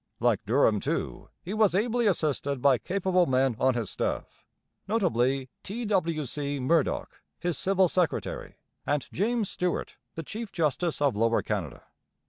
Like Durham, too, he was ably assisted by capable men on his staff, notably T. W. C. Murdoch, his civil secretary, and James Stuart, the chief justice of Lower Canada.